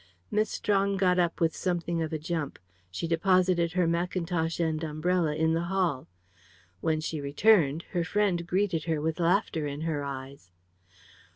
Miss Strong got up with something of a jump. She deposited her mackintosh and umbrella in the hall. When she returned her friend greeted her with laughter in her eyes.